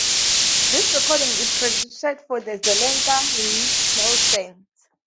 This recording is credited for the "Zelenka Renaissance".